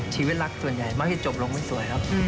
ชีวิตรักส่วนใหญ่มักจะจบลงไม่สวยครับ